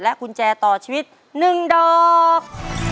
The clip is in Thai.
กุญแจต่อชีวิต๑ดอก